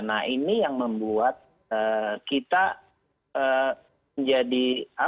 nah ini yang membuat kita menjadi